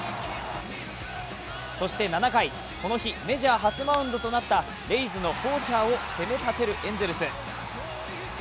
そして７回、この日、メジャー初マウンドとなったレイズのフォーチャーを攻め立てるエンゼルス。